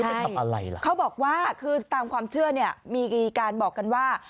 ไปทำอะไรล่ะเขาบอกว่าคือตามความเชื่อเนี่ยมีการบอกกันว่า